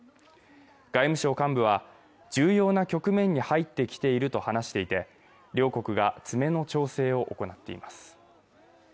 外務省幹部は重要な局面に入ってきていると話していて両国が詰めの調整を行っています